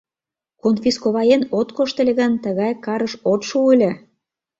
Конфисковаен от кошт ыле гын, тыгай карыш от шу ыле...